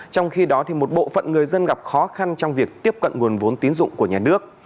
trong khi đó một bộ phận người dân gặp khó khăn trong việc tiếp cận nguồn vốn tín dụng của nhà nước